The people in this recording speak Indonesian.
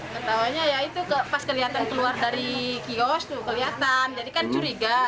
ketawanya ya itu pas kelihatan keluar dari kios tuh kelihatan jadi kan curiga